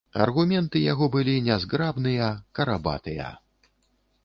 Аргументы яго былі нязграбныя, карабатыя.